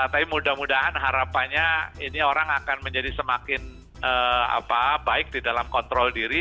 tapi mudah mudahan harapannya ini orang akan menjadi semakin baik di dalam kontrol diri